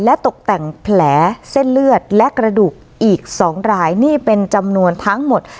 และตกแต่งแผลเส้นเลือดและกระดูกอีก๒รายนี่เป็นจำนวนทั้งหมด